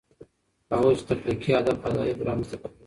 هغه وویل چي تخلیقي ادب ادئب رامنځته کوي.